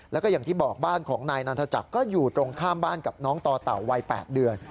แล้วก็อย่างที่บอกบ้านของนายนันทจักรก็อยู่ตรงข้ามบ้านกับน้องต่อเต่าวัย๘เดือน